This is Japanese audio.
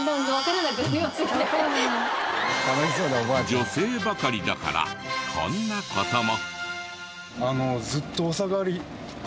女性ばかりだからこんな事も。